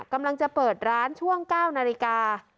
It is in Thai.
กำลังจะเปิดร้านช่วง๙นาฬิกา